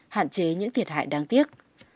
hạn chế những thiệt hại đáng tiếc